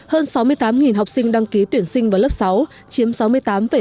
hơn sáu mươi tám học sinh đăng ký tuyển sinh vào lớp sáu chiếm sáu mươi tám bảy